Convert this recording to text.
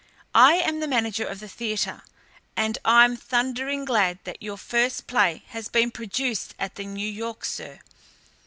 I am the manager of the theatre, and I'm thundering glad that your first play has been produced at the 'New York,' sir.